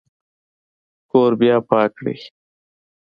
کور بیا پاک کړئ